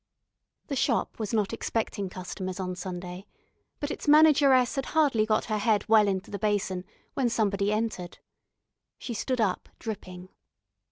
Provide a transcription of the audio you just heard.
The shop was not expecting customers on Sunday, but its manageress had hardly got her head well into the basin when somebody entered. She stood up dripping.